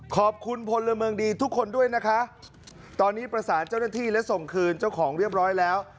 ขอบคุณพลเมืองดีทุกคนด้วยนะคะตอนนี้ประสานเจ้าหน้าที่และส่งคืนเจ้าของเรียบร้อยแล้ว